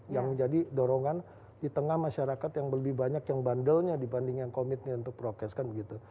yang menjadi dorongan di tengah masyarakat yang lebih banyak yang bandelnya dibanding yang komitnya untuk prokes kan begitu